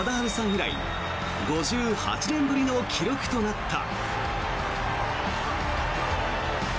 以来５８年ぶりの記録となった。